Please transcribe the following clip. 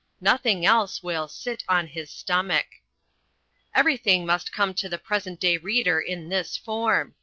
Nothing else will "sit on his stomach." Everything must come to the present day reader in this form.